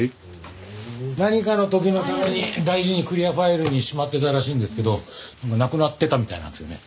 何かの時のために大事にクリアファイルにしまってたらしいんですけどなくなってたみたいなんですよね。